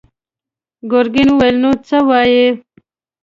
ګرګين وويل: نو څه وايې؟